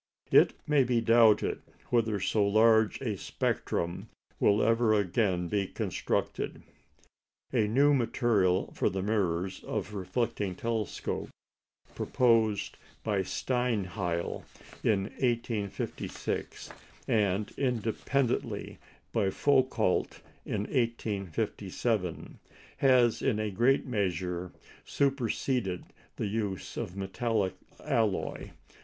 It may be doubted whether so large a spectrum will ever again be constructed. A new material for the mirrors of reflecting telescopes, proposed by Steinheil in 1856, and independently by Foucault in 1857, has in a great measure superseded the use of a metallic alloy.